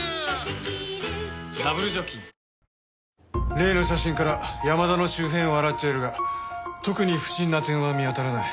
例の写真から山田の周辺を洗っちゃいるが特に不審な点は見当たらない。